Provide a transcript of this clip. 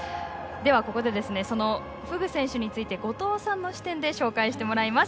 ここでフグ選手について、後藤さんの視点で紹介してもらいます。